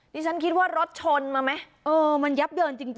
นี่ฉันคิดว่ารถชนมาไหมเออมันแย๊บเดินจริงค่ะ